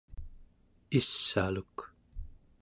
iss'aluk